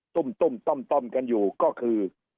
ตุ้มตุ้มต้มต้มกันอยู่ก็คือ